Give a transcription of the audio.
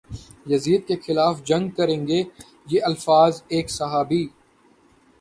یزید کے خلاف جنگ کریں گے یہ الفاظ ایک صحابی